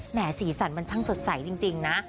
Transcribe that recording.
สีสันมันช่างสดใสจริงนะ